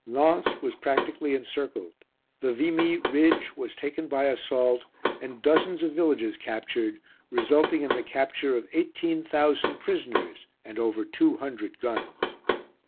Lens was practically encircled the Vimy ridge was taken by assault, and dozens of villages captured, resulting in the capture of eighteen thousand prisoners and over two hundred guns.